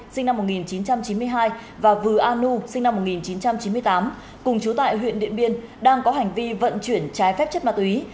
sinh năm một nghìn chín trăm chín mươi hai và vừa a nu sinh năm một nghìn chín trăm chín mươi tám cùng chú tại huyện điện biên đang có hành vi vận chuyển trái phép chất ma túy